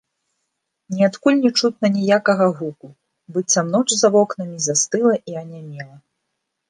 Ніадкуль не чутна ніякага гуку, быццам ноч за вокнамі застыла і анямела.